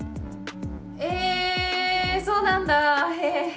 えぇそうなんだへぇ。